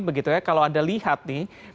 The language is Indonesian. begitu ya kalau anda lihat nih